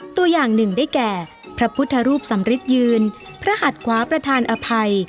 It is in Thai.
ตัวอย่างหนึ่งได้แก่พระพุทธรูปสำริทยืนพระหัดขวาประธานอภัย